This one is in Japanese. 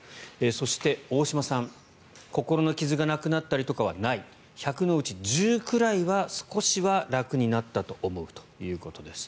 そして、大島さん心の傷がなくなったりとかはない１００のうち１０くらいは少しは楽になったと思うということです。